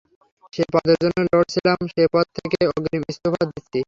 যে পদের জন্য লড়ছিলাম, সে পদ থেকে অগ্রিম ইস্তফা দিচ্ছি।